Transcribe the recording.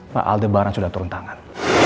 pak alde barang sudah turun tangan